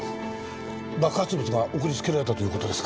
爆発物が送りつけられたという事ですか？